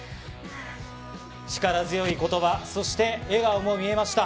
力強いことば、そして笑顔も見えました。